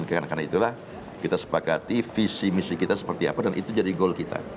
karena itulah kita sepakati visi misi kita seperti apa dan itu jadi goal kita